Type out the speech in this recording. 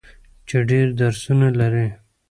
چې ډیر درسونه لري.